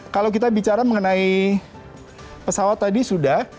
kalau kita bicara mengenai pesawat tadi sudah